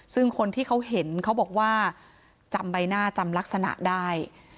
ซึ่งคนที่เขาเห็นเขาบอกว่าจำใบหน้าจำลักษณะได้